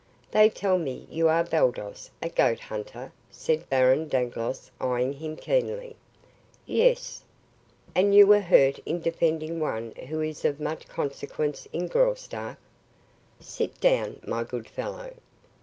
"They tell me you are Baldos, a goat hunter," said Baron Dangloss, eyeing him keenly. "Yes." "And you were hurt in defending one who is of much consequence in Graustark. Sit down, my good fellow."